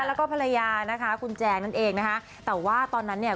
แล้วก็ภรรยานะคะคุณแจงนั่นเองนะคะแต่ว่าตอนนั้นเนี่ย